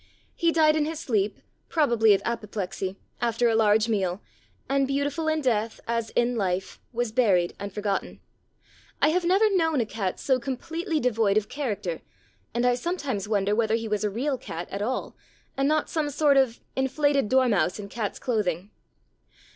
He died in his sleep, probably of apoplexy, after a large meal, and beautiful in death as in life, was buried and forgotten. I have never known a cat so completely devoid of character, and I sometimes wonder whether he was a real cat at all, and not some sort of inflated dormouse in cat's clothing.